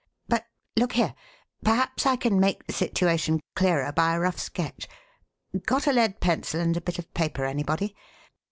But look here: perhaps I can make the situation clearer by a rough sketch. Got a lead pencil and a bit of paper, anybody?